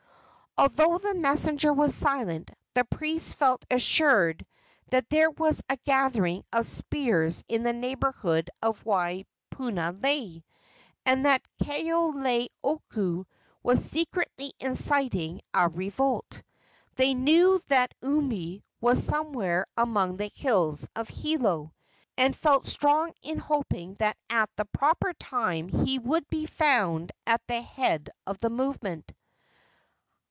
Although the messenger was silent, the priests felt assured that there was a gathering of spears in the neighborhood of Waipunalei, and that Kaoleioku was secretly inciting a revolt. They knew that Umi was somewhere among the hills of Hilo, and felt strong in hoping that at the proper time he would be found at the head of the movement.